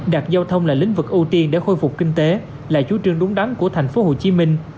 đạt giao thông là lĩnh vực ưu tiên để khôi phục kinh tế là chú trương đúng đắn của thành phố hồ chí minh